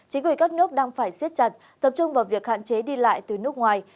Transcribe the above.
chính quyền các nước đang phải siết chặt tập trung vào việc hạn chế đi lại từ nước ngoài